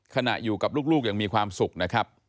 ขณะอยู่กับลูกยังมีความสุขนะครับ